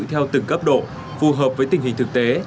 theo từng cấp độ phù hợp với tình hình thực tế